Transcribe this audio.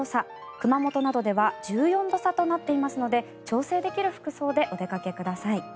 熊本などでは１４度差となっていますので調整できる服装でお出かけください。